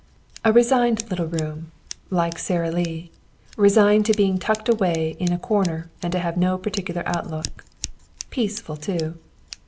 A resigned little room, like Sara Lee, resigned to being tucked away in a corner and to having no particular outlook. Peaceful, too.